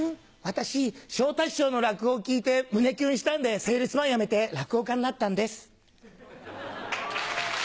私昇太師匠の落語を聞いて胸キュンしたんでセールスマン辞めて落語家になったんです。